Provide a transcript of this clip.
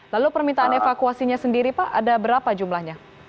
lalu permintaan evakuasinya sendiri pak ada berapa jumlahnya